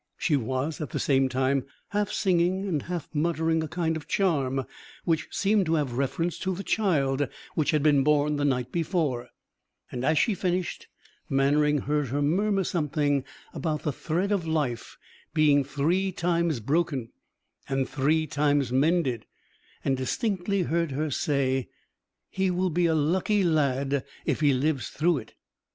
She was at the same time half singing and half muttering a kind of charm, which seemed to have reference to the child which had been born the night before; and as she finished, Mannering heard her murmur something about the thread of life being three times broken and three times mended, and distinctly heard her say: "He'll be a lucky lad an he win through wi't." [Footnote: "He will be a lucky lad if he lives through it."